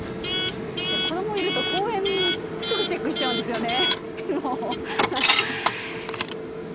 子どもいると公園すぐチェックしちゃうんですよね。